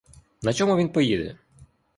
На чому він поїде?